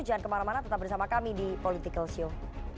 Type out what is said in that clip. jangan kemana mana tetap bersama kami di political show